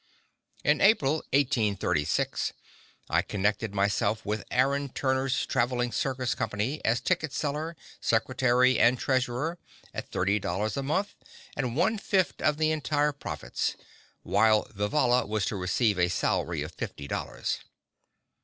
In April, 1836, I connected myself with Aaron Turner's travelling circus company as ticket seller, secretary and treasurer, at thirty dollars a month and one fifth of the entire profits, while Vivalla was to receive a salary of fifty dollars.